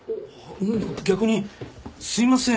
逆にすいません